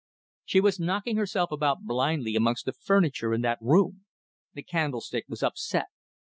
She was knocking herself about blindly amongst the furniture in that room. The candlestick was upset.